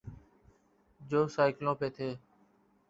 جو سائیکلوں پہ تھے۔